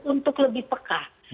untuk lebih peka